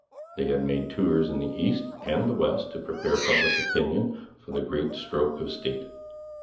They had made tours in the east and the west to prepare public opinion for the great stroke of state.